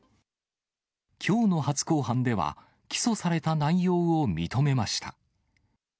きょうの初公判では、起訴された内容を認めました。